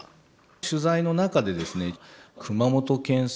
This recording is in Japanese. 取材の中でですね熊本県産が安い。